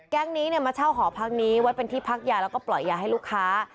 แก๊กนี้เนี่ยมาเช่าหอแบบนี้ว่าเป็นที่พักยาและปล่อยยาให้ลูกค้า